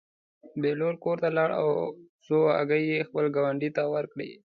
بهلول کور ته لاړ او څو هګۍ یې خپل ګاونډي ته ورکړې.